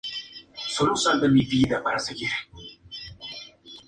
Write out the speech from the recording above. Los monjes de la Catedral de Winchester lo nombraron miembro de su fraternidad.